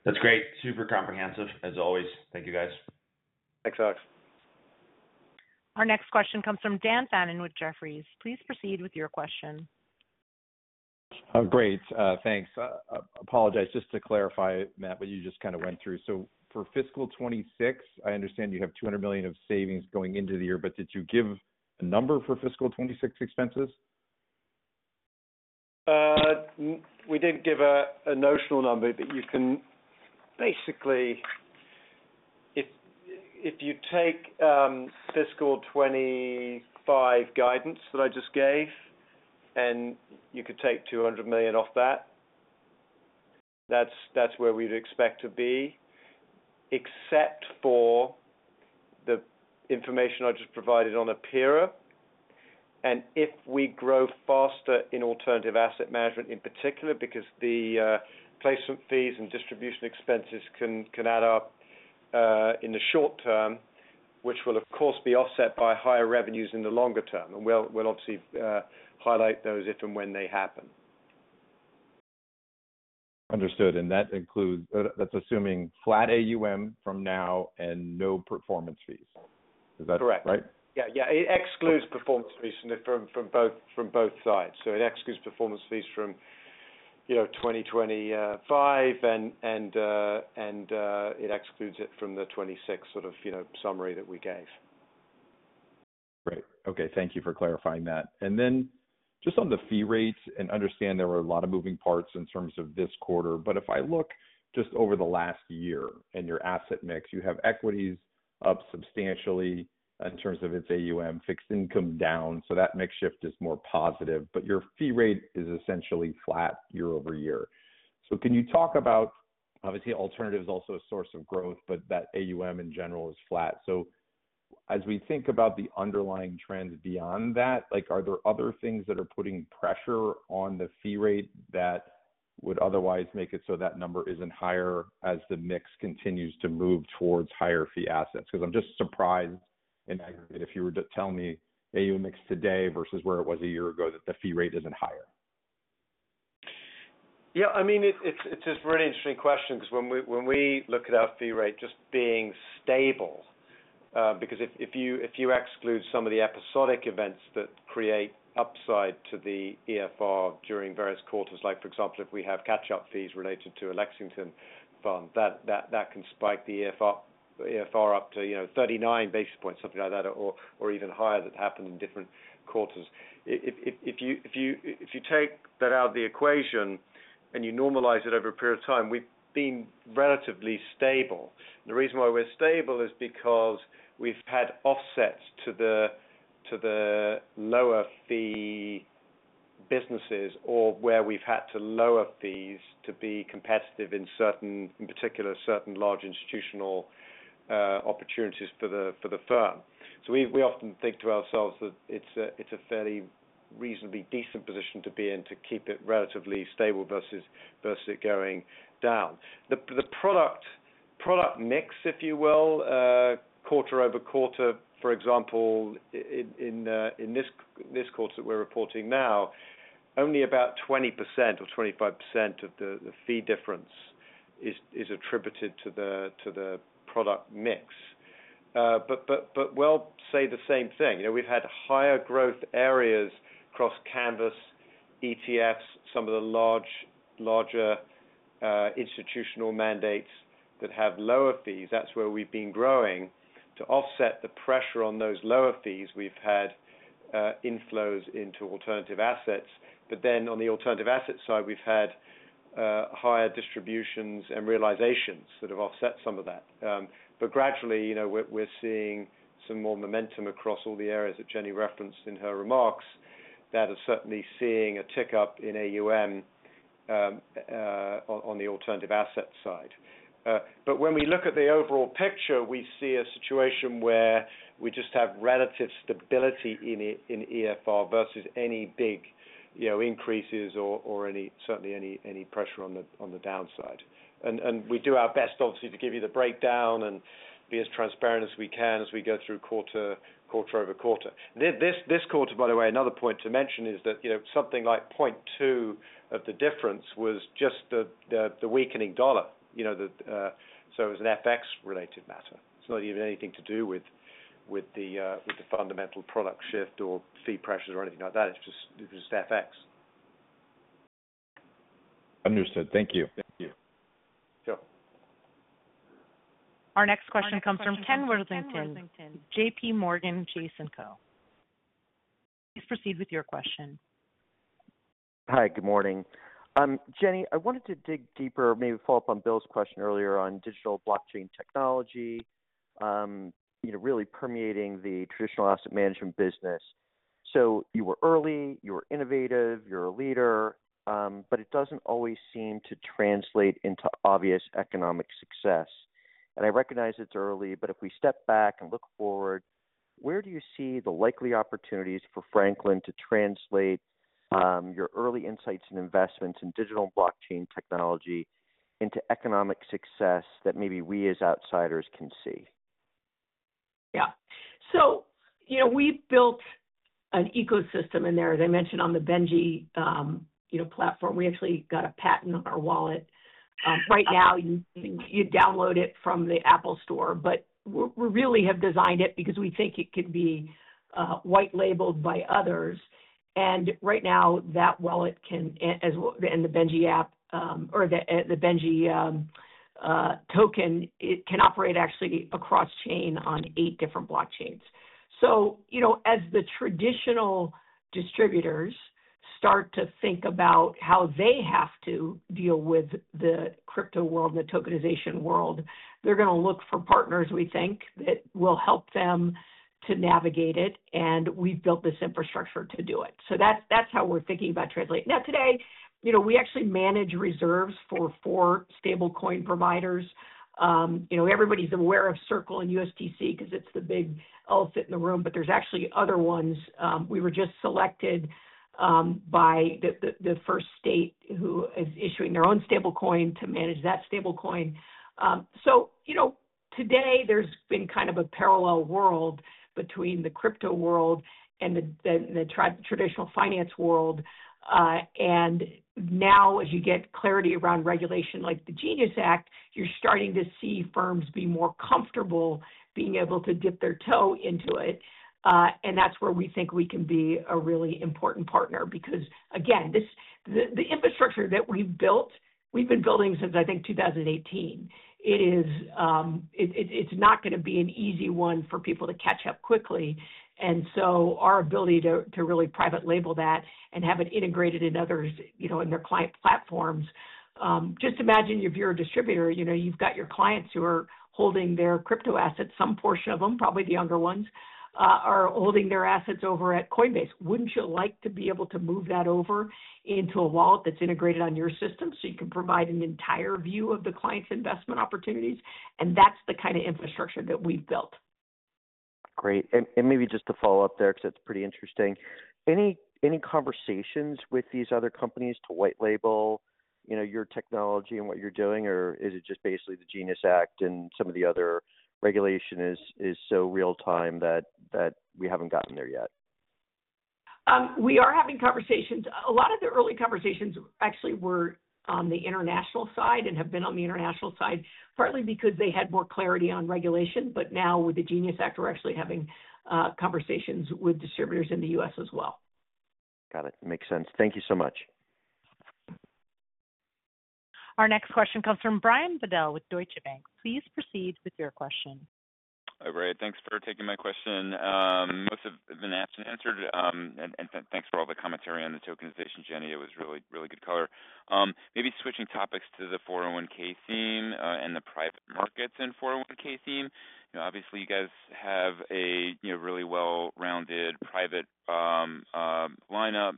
[SPEAKER 7] That's great. Super comprehensive as always. Thank you, guys.
[SPEAKER 6] Thanks, Alex.
[SPEAKER 1] Our next question comes from Dan Fannon with Jefferies. Please proceed with your question.
[SPEAKER 8] Great, thanks. Apologize. Just to clarify, Matt, what you just. Kind of went through. For fiscal 2026, I understand you. Have $200 million of savings going into. The year, did you give a number for fiscal 2026 expenses?
[SPEAKER 6] We did give a notional number. You can basically. If you take fiscal 2025 guidance that I just gave and you could take $200 million off that, that's where we'd expect to be, except for the information I just provided on Apera. If we grow faster in alternative asset management in particular, because the placement fees and distribution expenses can add up in the short term, which will of course be offset by higher revenues in the longer term. We'll obviously highlight those if and when they happen.
[SPEAKER 8] Understood. That includes, that's assuming flat AUM. From now and no performance fees, is that correct?
[SPEAKER 6] Right. Yeah. It excludes performance fees from both sides. It excludes performance fees from, you know, 2025, and it excludes it from the 2026 sort of summary that we gave.
[SPEAKER 8] Great. Okay, thank you for clarifying that. Regarding the fee rates. There were a lot of moving parts in terms of this quarter. If I look just over the. Last year and your asset mix, you. Have equities up substantially in terms of. Its AUM Fixed Income down. That makes shift is more positive. Your fee rate is essentially flat year-over-year. Can you talk about obviously alternatives. Also a source of growth, that AUM in general is flat. As we think about the underlying trends beyond that, are there other. Things that are putting pressure on the. Fee rate that would otherwise make it so that number isn't higher. Mix continues to move towards higher fee assets? I'm just surprised in aggregate if. You were to tell me AUM is today. Versus where it was a year ago. That the fee rate isn't higher.
[SPEAKER 6] Yes, I mean it's a really interesting question because when we look at our fee rate just being stable, if you exclude some of the episodic events that create upside to the EFR during various quarters, like for example, if we have catch up fees related to a Lexington fund that can spike the EFR up to 39 basis points, something like that, or even higher that happened in different quarters. If you take that out of the equation and you normalize it over a period of time, we've been relatively stable. The reason why we're stable is because we've had offsets to the lower fee businesses or where we've had to lower fees to be competitive in certain, in particular certain large institutional opportunities for the firm. We often think to ourselves that it's a fairly reasonably decent position to be in to keep it relatively stable versus it going down. The product mix, if you will, quarter over quarter. For example, in this quarter that we're reporting now only about 20% or 25% of the fee difference is attributed to the product mix. We'll say the same thing. We've had higher growth areas across canvas ETFs, some of the larger institutional mandates that have lower fees. That's where we've been growing to offset the pressure on those lower fees. We've had inflow into alternative assets, but then on the alternative asset side we've had higher distributions and realizations that have offset some of that. Gradually we're seeing some more momentum across all the areas that Jenny referenced in her remarks that are certainly seeing a tick up in AUM on the alternative asset side. When we look at the overall picture, we see a situation where we just have relative stability in EFR versus any big increases or certainly any pressure on the downside. We do our best obviously to give you the breakdown and be as transparent as we can as we go through quarter, quarter over quarter this quarter. By the way, another point to mention is that something like 0.2 of the difference was just the weakening dollar. It was an FX related matter. It's not even anything to do with the fundamental product shift or fee pressures or anything like that. It's just FX.
[SPEAKER 8] Understood. Thank you. Thank you.
[SPEAKER 6] Sure.
[SPEAKER 1] Our next question comes from Ken Worthington. JPMorgan Chase and Co. Please proceed with your question.
[SPEAKER 9] Hi, good morning, Jenny. I wanted to dig deeper, maybe follow up on Bill's question earlier on digital blockchain technology, you know, really permeating the traditional asset management business. You were early, you were innovative, you're a leader. It doesn't always seem to translate into obvious economic success. I recognize it's early, but if we step back and look forward, where do you see the likely opportunities for Franklin to translate your early insights and investments in digital blockchain technology into economic success that maybe we as outsiders can see?
[SPEAKER 3] Yeah, so, you know, we built an ecosystem in there. As I mentioned, on the Benji, you know, platform, we actually got a patent on our wallet. Right now you download it from the Apple Store. We really have designed it because we think it can be white labeled by others. Right now that wallet can as well. The Benji app or the Benji token, it can operate actually across chain on eight different blockchains. As the traditional distributors start to think about how they have to deal with the crypto world and the tokenization world, they're going to look for partners. We think that will help them to navigate it and we've built this infrastructure to do it. That's how we're thinking about Translate. Today we actually manage reserves for four stablecoin providers. Everybody's aware of Circle and USTC because it's the big elephant in the room, but there's actually other ones. We were just selected by the first state who is issuing their own stablecoin to manage that stablecoin. Today there's been kind of a parallel world between the crypto world and the traditional finance world. Now as you get clarity around regulation like the Genius act, you're starting to see firms be more comfortable being able to dip their toe into it. That's where we think we can be a really important partner. Because again, this, the infrastructure that we've built, we've been building since I think 2018, it's not going to be an easy one for people to catch up quickly. Our ability to really private. Label that and have it integrated in others in their client platforms. Just imagine if you're a distributor, you've. Got your clients who are holding their. Crypto assets, some portion of them, probably the younger ones are holding their assets over at Coinbase. Wouldn't you like to be able to move that over into a wallet that's integrated on your system? You can provide an entire view. Of the client's investment opportunities, and that's. The kind of infrastructure that we've built.
[SPEAKER 9] Great. Maybe just to follow up there because it's pretty interesting. Any conversations with these other companies to white label your technology and what you're doing, or is it just basically the GENIUS Act and some of the other regulation is so real time that we haven't gotten there yet.
[SPEAKER 3] We are having conversations. A lot of the early conversations actually were on the international side and have been on the international side, partly because they had more clarity on regulation. Now with the GENIUS Act, we're actually having conversations with distributors in the U.S. as well.
[SPEAKER 9] Got it. Makes sense. Thank you so much.
[SPEAKER 1] Our next question comes from Brian Bedell with Deutsche Bank. Please proceed with your question.
[SPEAKER 10] All right, thanks for taking my question. Most have been asked and answered, and thanks for all the commentary on the tokenization, Jenny. It was really, really good color. Maybe switching topics to the 401k theme and the private markets and 401k theme. Obviously you guys have a really well-rounded private lineup.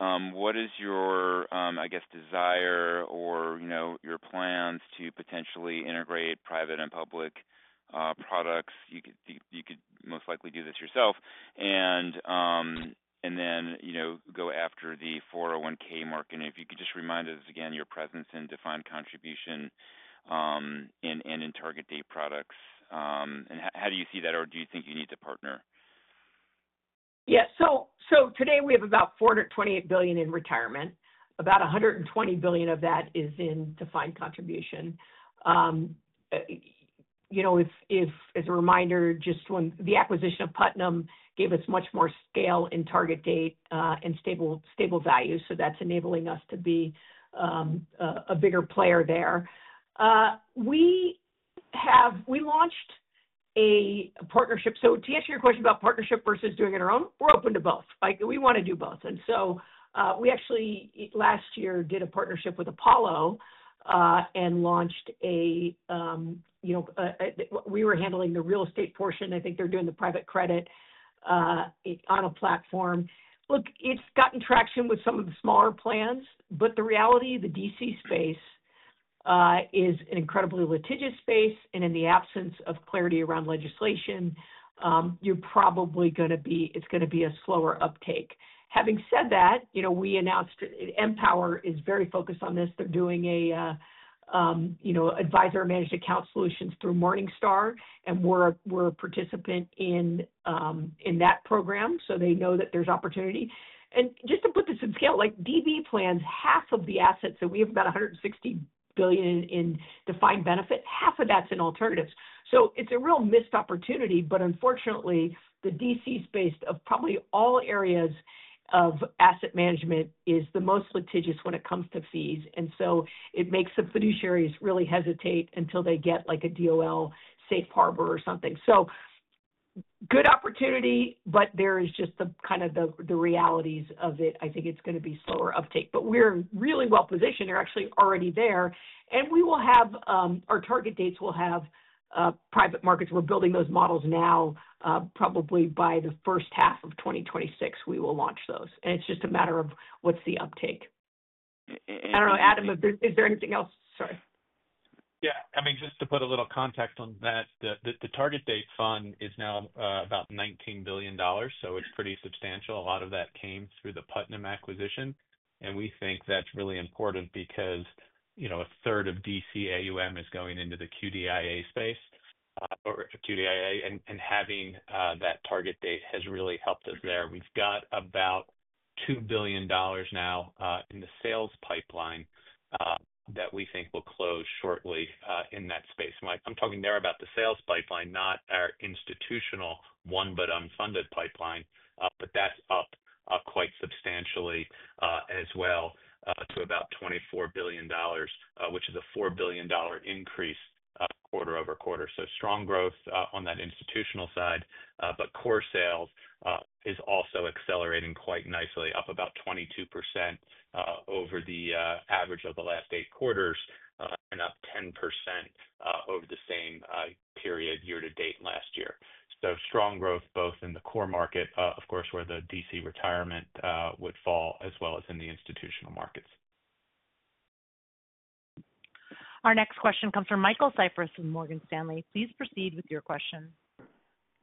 [SPEAKER 10] What is your, I guess, desire or your plans to potentially integrate private and public products? You could most likely do this yourself and then go after the 401k market. If you could just remind us again, your presence in defined contribution and in target date products, and how do you see that, or do you think you need to partner?
[SPEAKER 3] Yeah. Today we have about $428 billion in retirement. About $120 billion of that is in defined contribution. If, as a reminder, just when the acquisition of Putnam gave us much more scale in target date and stable value, that's enabling us to be a bigger player there. We launched a partnership. To answer your question about partnership versus doing it on our own, we're open to both, we want to do both. We actually last year did a partnership with Apollo and launched a, you know, we were handling the real estate portion. I think they're doing the private credit on a platform. It's gotten traction with some of the smaller plans, but the reality, the DC space is an incredibly litigious space. In the absence of clarity around. Legislation, you're probably going to be. It's going to be a slower uptake. Having said that, we announced Empower is very focused on this. They're doing Advisor Managed Account solutions through Morningstar, and we're a participant in that program. They know that there's opportunity. Just to put this in scale, DB plans, half of the assets that we have, about $160 billion in defined benefit, half of that's in alternatives. It's a real missed opportunity. Unfortunately, the DC space, of probably all areas of asset management, is the most litigious when it comes to fees. It makes the fiduciaries really hesitate until they get like a DOL safe harbor or something. Good opportunity, but there is just the kind of the realities of it. I think it's going to be slower uptake, but we're really well positioned, are actually already there. We will have our target dates, will have private markets. We're building those models now. Probably by the first half of 2026, we will launch those. It's just a matter of what's the uptake. I don't know. Adam, is there anything else? Sorry.
[SPEAKER 11] Yeah, I mean, just to put a little context on that, the Target Date fund is now about $19 billion. It's pretty substantial. A lot of that came through the Putnam acquisition. We think that's really important because, you know, a third of DC AUM is going into the QDIA space, and having that target date has really helped us there. We've got about $2 billion now in the sales pipeline that we think will close shortly in that space. Mike, I'm talking there about the sales pipeline, not our institutional one, but unfunded pipeline, but that's up quite substantially as well to about $24 billion, which is a $4 billion increase quarter-over-quarter. Strong growth on that institutional side. Core sales is also accelerating quite nicely, up about 22% over the average of the last eight quarters and up 10% over the same period year to date last year. Strong growth both in the core market, of course, where the DC retirement would fall, as well as in the institutional market. So.
[SPEAKER 1] Our next question comes from Michael Cyprys with Morgan Stanley. Please proceed with your question.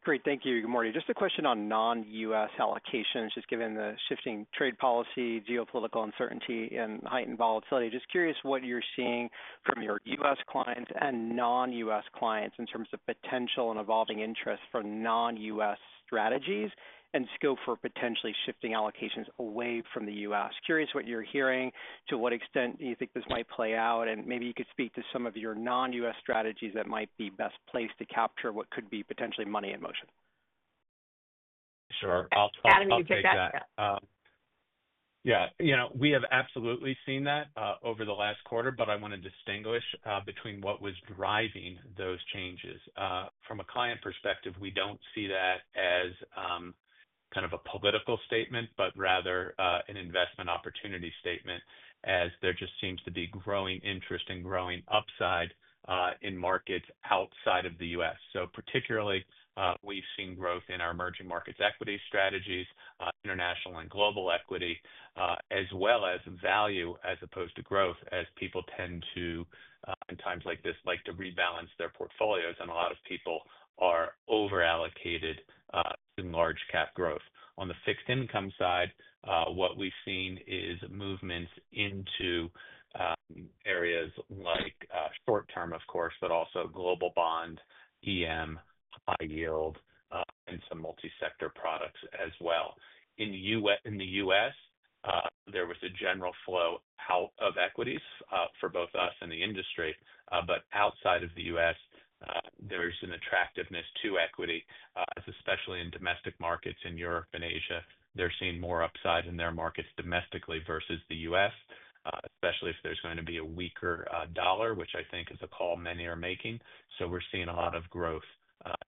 [SPEAKER 12] Great, thank you. Good morning. Just a question on non-U.S. allocations. Just given the shifting trade policy, geopolitical uncertainty, and heightened volatility, just curious what you're seeing from your U.S. clients and non-U.S. clients in terms of potential and evolving interest for non-U.S. strategies and scope for potentially shifting allocations away from the U.S. Curious what you're hearing. To what extent do you think this might play out? Maybe you could speak to some of your non-U.S. strategies that might be best placed to capture what could be potentially money in motion.
[SPEAKER 11] Sure. Yeah. You know we have absolutely seen that over the last quarter, but I want to distinguish between what was driving those changes from a client perspective. We don't see that as kind of a political statement but rather an investment opportunity statement, as there just seems to be growing interest and growing upside in markets outside of the U.S. Particularly, we've seen growth in our emerging markets, equity strategies, international and global equity as well as value as opposed to growth, as people tend to in times like this like to rebalance their portfolios. A lot of people are over allocated in large cap growth. On the Fixed Income side, what we've seen is movements into areas like short term, of course, but also global bond, high yield, and some multi sector products as well. In the U.S., there was a general flow out of equities for both the U.S. and the industry. Outside of the U.S., there's an attractiveness to equity, especially in domestic markets. In Europe and Asia, they're seeing more upside in their markets domestically versus the U.S., especially if there's going to be a weaker dollar, which I think is a call many are making. We're seeing a lot of growth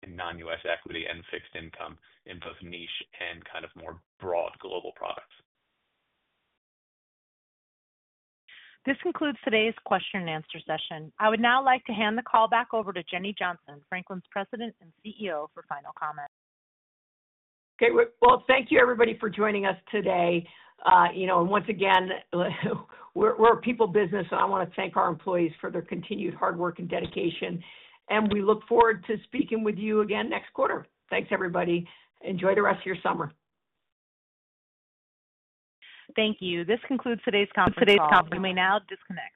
[SPEAKER 11] in non-U.S. equity and Fixed Income in both niche and kind of more broad global products.
[SPEAKER 1] This concludes today's question and answer session. I would now like to hand the call back over to Jenny Johnson, Franklin's President and CEO, for final comments.
[SPEAKER 3] Okay, thank you everybody for joining us today. Once again, we're a people business and I want to thank our employees for their continued hard work and dedication, and we look forward to speaking with you again next quarter. Thanks, everybody. Enjoy the rest of your summer.
[SPEAKER 1] Thank you. This concludes today's conference. Today's conference. You may now disconnect.